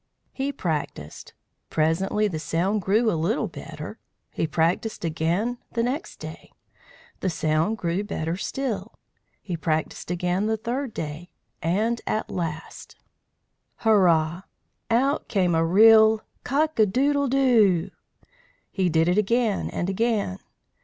He practised. Presently the sound grew a little better. He practised again the next day; the sound grew better still. He practised again the third day, and at last, hurrah! out came a real "Cock a doodle doo!" He did it again and again.